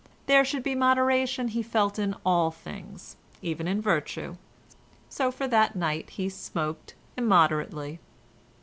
There should be moderation he felt in all things, even in virtue; so for that night he smoked immoderately.